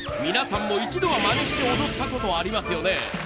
皆さんも一度はマネして踊った事ありますよね？